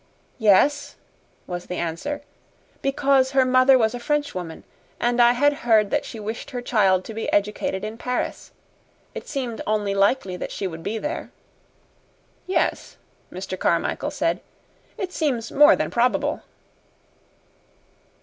"Yes," was the answer, "because her mother was a Frenchwoman, and I had heard that she wished her child to be educated in Paris. It seemed only likely that she would be there." "Yes," Mr. Carmichael said, "it seems more than probable."